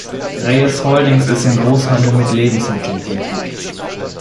Reyes Holdings ist im Großhandel mit Lebensmitteln tätig.